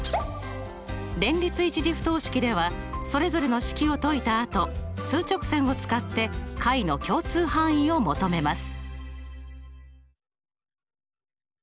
連立１次不等式ではそれぞれの式を解いたあと数直線を使って解の共通範囲を求めます。